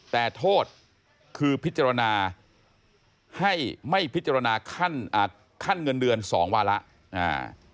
แต่โทษคือพิจารณาให้ไม่พิจารณาขั้นเงินเดือน๒ว่าแล้ว